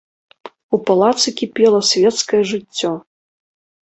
У палацы кіпела свецкае жыццё.